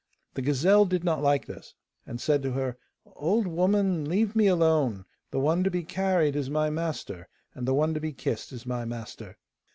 The gazelle did not like this, and said to her: 'Old woman, leave me alone; the one to be carried is my master, and the one to be kissed is my master.